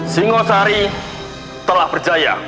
singosari telah berjaya